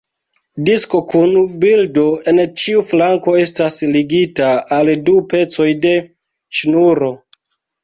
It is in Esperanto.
Disko kun bildo en ĉiu flanko estas ligita al du pecoj de ŝnuro.